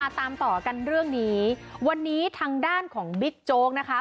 ตามต่อกันเรื่องนี้วันนี้ทางด้านของบิ๊กโจ๊กนะคะ